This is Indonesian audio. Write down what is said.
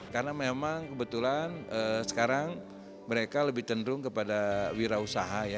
karena memang kebetulan sekarang mereka lebih cenderung kepada wirausaha ya